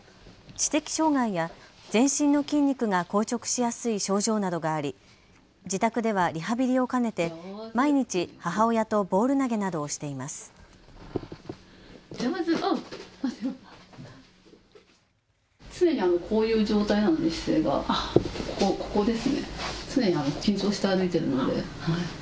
知的障害や全身の筋肉が硬直しやすい症状などがあり自宅ではリハビリを兼ねて毎日、母親とボール投げなどをしています。